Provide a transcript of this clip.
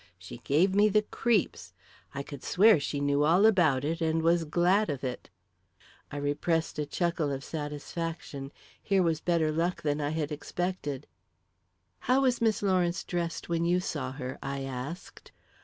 She gave me the creeps. I could swear she knew all about it and was glad of it." I repressed a chuckle of satisfaction. Here was better luck than I had expected. "How was Miss Lawrence dressed when you saw her?" I asked.